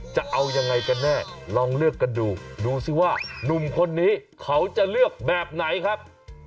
จะเอายังไงกันแน่ลองเลือกกันดูดูสิว่านุ่มคนนี้เขาจะเลือกแบบไหนครับ